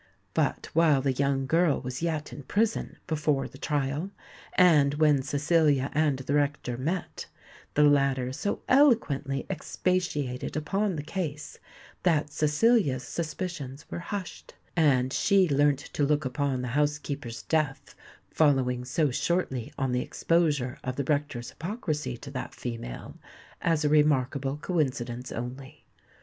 But while the young girl was yet in prison, before the trial, and when Cecilia and the rector met, the latter so eloquently expatiated upon the case, that Cecilia's suspicions were hushed; and she learnt to look upon the housekeeper's death following so shortly on the exposure of the rector's hypocrisy to that female, as a remarkable coincidence only.